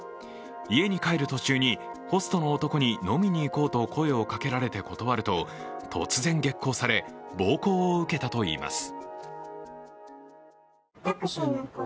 家に帰る途中に、ホストの男に飲みにいこうと声をかけられて断ると、突然激高され暴行を受けたといいます。